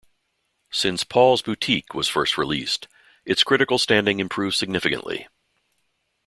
Since "Paul's Boutique" was first released, its critical standing improved significantly.